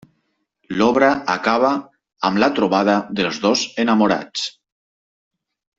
L'obra acaba amb la trobada dels dos enamorats.